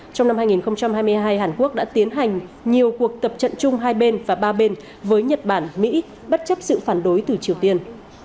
trong năm hai nghìn hai mươi hai hàn quốc đã tiến hành nhiều cuộc tập trận chung hai bên và ba bên với nhật bản mỹ bất chấp sự phản đối từ triều tiên